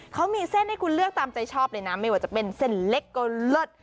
เขามีเส้นให้คุณเลือกตามใจชอบเลยนะไม่ว่าจะเป็นเส้นเล็กก็เลิศ